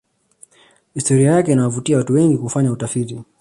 historia yake inawavutia watu wengi kufanya utafiti